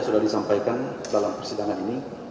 sudah disampaikan dalam persidangan ini